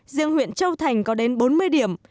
riêng huyện châu thành có đến bốn mươi điểm